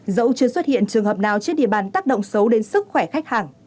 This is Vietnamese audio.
dẫu chưa xuất hiện trường hợp nào trên địa bàn tác động xấu đến sức khỏe khách hàng